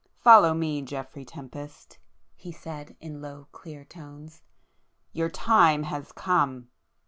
"Follow me, Geoffrey Tempest,—" he said in low clear tones—"Your time has come!"